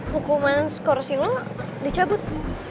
hukuman skor si lo dicabut